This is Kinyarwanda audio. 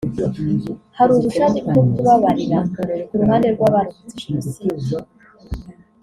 hari ubushake bwo kubabarira ku ruhande rw’abarokotse Jenoside